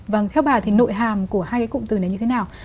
vâng theo bà thì nội hàm của hai cái cụm từ này như thế nào